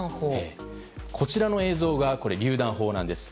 こちらの映像がりゅう弾砲なんです。